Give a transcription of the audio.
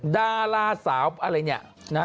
ดาราสาวอะไรนี่